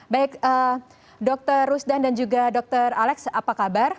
baik dr rusdan dan juga dr alex apa kabar